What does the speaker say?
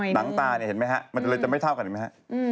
หลังตาเนี่ยเห็นไหมฮะมันเลยจะไม่เท่ากันเห็นไหมฮะ